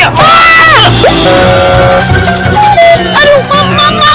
aduh mama aku tak usah